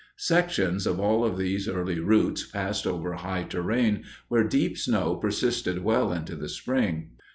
Sections of all of these early routes passed over high terrain where deep snow persisted well into the spring.